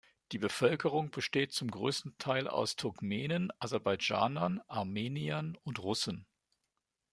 Die Bevölkerung besteht zum größten Teil aus Turkmenen, Aserbaidschanern, Armeniern und Russen.